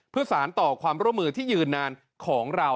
เพื่อสารต่อความร่วมมือที่ยืนนานของเรา